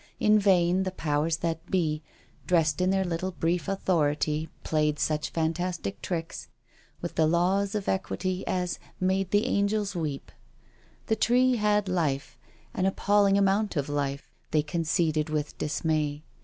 In vain the Powers that Be, *' dressed in their little brief authority, played such fantastic tricks *' with the laws of equity as " made the angels weep.*' The Tree had life, an appalling amount of life, they conceded with dismay.